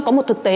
có một thực tế